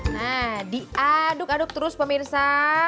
nah diaduk aduk terus pemirsa